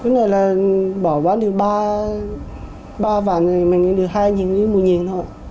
cái này là bỏ bán được ba vàng này mình được hai nghìn mùi nhìn thôi